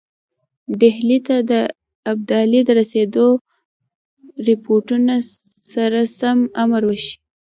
ډهلي ته د ابدالي د رسېدلو رپوټونو سره سم امر وشي.